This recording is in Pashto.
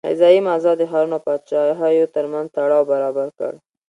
غذایي مازاد د ښارونو او پاچاهیو ترمنځ تړاو برابر کړ.